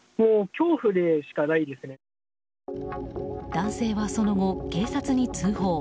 男性はその後、警察に通報。